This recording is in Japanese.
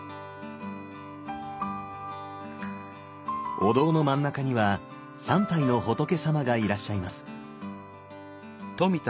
お堂の真ん中には３体の仏さまがいらっしゃいます。